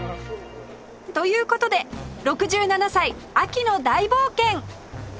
という事で６７歳秋の大冒険